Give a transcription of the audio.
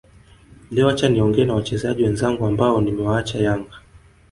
Leo acha niongee na wachezaji wenzangu ambao nimewaacha Yanga